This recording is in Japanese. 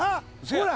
ほら。